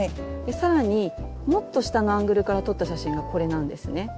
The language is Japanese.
更にもっと下のアングルから撮った写真がこれなんですね。